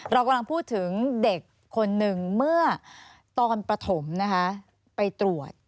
เรากำลังพูดถึงเด็กคนหนึ่งเมื่อตอนปฐมนะคะไปตรวจ